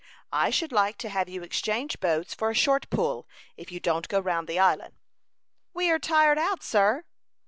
I should like to have you exchange boats for a short pull, if you don't go round the island." "We are tired out, sir."